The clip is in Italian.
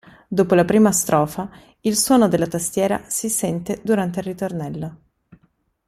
Dopo la prima strofa, il suono della tastiera si sente durante il ritornello.